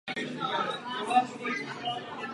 Narodil se židovskému otci a srbské matce.